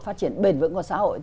phát triển bền vững của xã hội